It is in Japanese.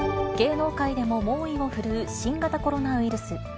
芸能界でも猛威を振るう新型コロナウイルス。